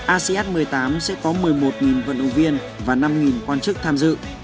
asean một mươi tám sẽ có một mươi một vận động viên và năm quan chức tham dự